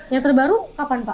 yang terbaru kapan pak